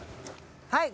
はい。